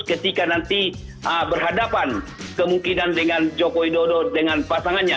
ketika nanti berhadapan kemungkinan dengan jokowi dodo dengan pasangannya